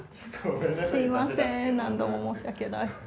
すみません何度も申し訳ない。